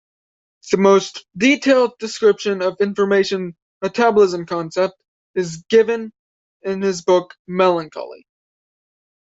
The most detailed description of information metabolism concept is given in his book "Melancholy".